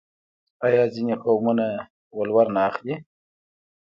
آیا ځینې قومونه ولور نه اخلي؟